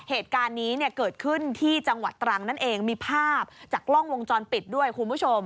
เหตุการณ์นี้เนี่ยเกิดขึ้นที่จังหวัดตรังนั่นเองมีภาพจากกล้องวงจรปิดด้วยคุณผู้ชม